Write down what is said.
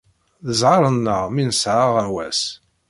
D ẓẓher-nneɣ mi nesεa aɣawas.